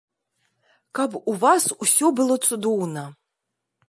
Каб у вас усё было цудоўна.